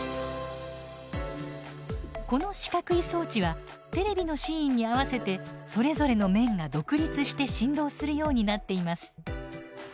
この四角い装置はテレビのシーンに合わせてそれぞれの面が独立して振動するようになっています。